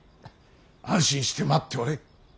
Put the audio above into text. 安心して待っておれ。